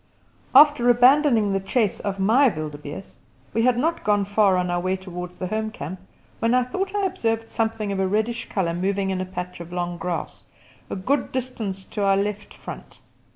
After abandoning the chase of my wildebeeste, we had not gone far on our way towards the home camp when I thought I observed something of a reddish colour moving in a patch of long grass, a good distance to our left front.